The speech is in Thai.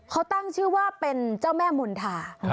เขาตั้งชื่อว่าเป็นเจ้าแม่มณฑา